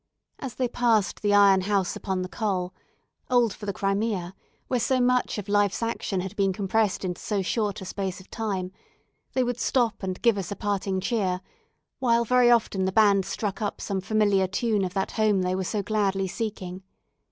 As they passed the Iron House upon the Col old for the Crimea, where so much of life's action had been compressed into so short a space of time they would stop and give us a parting cheer, while very often the band struck up some familiar tune of that home they were so gladly seeking.